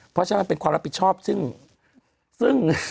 เพราะฉะนั้นมันเป็นความรับผิดชอบซึ่ง